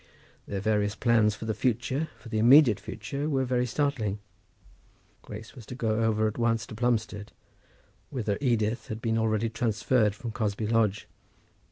Their various plans for the future, for the immediate future, were very startling. Grace was to go over at once to Plumstead, whither Edith had been already transferred from Cosby Lodge.